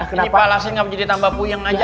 ini palasin gak bisa ditambah puyeng aja